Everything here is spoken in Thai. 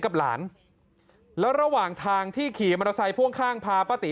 กับหลานแล้วระหว่างทางที่ขี่มอเตอร์ไซค์พ่วงข้างพาป้าตี